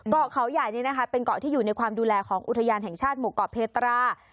เกาะเขาใหญ่นี่นะคะเป็นเกาะที่อยู่ในความดูแลของอุทยานแห่งชาติหมู่เกาะเพตรา